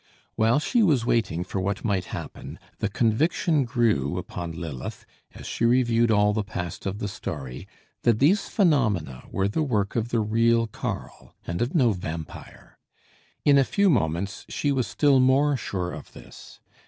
While she was waiting for what might happen, the conviction grew upon Lilith, as she reviewed all the past of the story, that these phenomena were the work of the real Karl, and of no vampire. In a few moments she was still more sure of this.